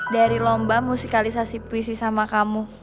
dari lomba musikalisasi puisi sama kamu